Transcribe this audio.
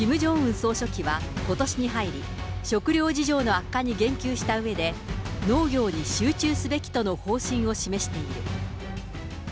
総書記はことしに入り、食糧事情の悪化に言及したうえで、農業に集中すべきとの方針を示している。